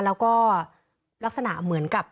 แล้วก็ลักษณะเหมือนกับ